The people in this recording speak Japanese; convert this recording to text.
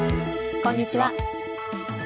こんにちは。